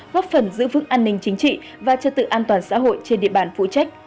góp phần giữ vững an ninh chính trị và trật tự an toàn xã hội trên địa bàn phụ trách